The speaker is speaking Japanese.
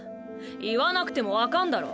言わなくても分かんだろ。